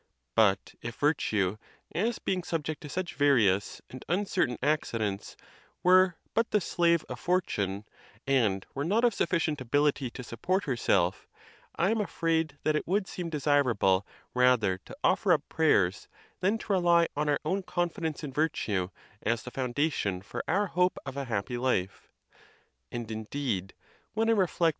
But if virtue, as being subject to such various and uncertain accidents, were but the slave of fort une, and were not of sufficient ability to support herself, I am afraid that it would seem desirable rather to offer up prayers, than to rely on our own confidence in virtue as the foundation for our hope of a happy life. And, indeed, when I reflect.